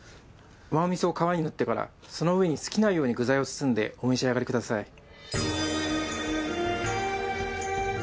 甘味噌を皮に塗ってからその上に好きなように具材を包んでお召し上がりください。